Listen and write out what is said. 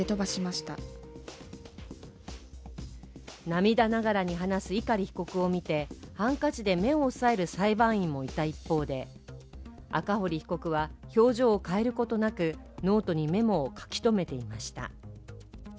涙ながらに話す碇被告を見てハンカチで目を押さえる裁判員もいた一方で赤堀被告は表情を変えることなくノートにメモを書き留めていました。